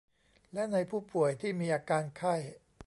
และในผู้ป่วยที่มีอาการไข้